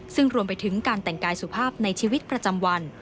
ซึ่งรวมไปถึงการแต่งกายสุภาพในชีวิตประจำวัน